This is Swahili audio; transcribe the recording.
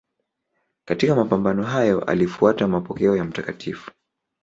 Katika mapambano hayo alifuata mapokeo ya Mt.